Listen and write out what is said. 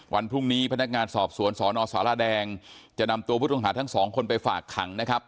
วันพรุ่งนี้พนักงานสอบสวนสนสารแดงจะนำตัวผู้ต้องหาทั้งสองคนไปฝากขังนะครับ